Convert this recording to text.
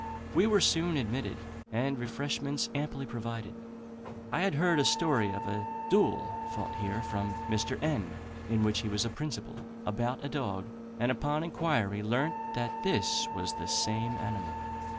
We were soon admitted, and refreshments amply provided. I had heard a story of a duel fought here from Mr. N , in which he was a principal, about a dog; and upon inquiry learnt that this was the same animal.